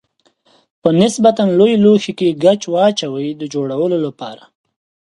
په نسبتا لوی لوښي کې ګچ واچوئ د جوړولو لپاره.